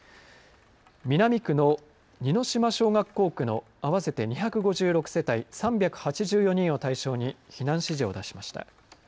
南区の似島小学校区の合わせて２５６世帯３８４人を対象に避難指示を出しました。